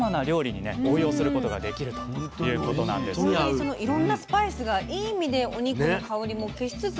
そのいろんなスパイスがいい意味でお肉の香りも消しつつ高めつつみたいな。